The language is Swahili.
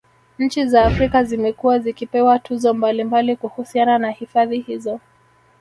Nchi za Afrika Zimekuwa zikipewa tuzo mbalimbali kuhusiana na hifadhi hizo